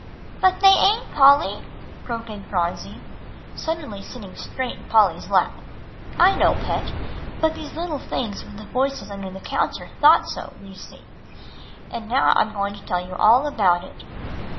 '" "But they ain't, Polly," broke in Phronsie, suddenly sitting straight in Polly's lap. "I know, Pet; but these little things with the voices under the counter thought so, you see. And now I'm going to tell you all about it.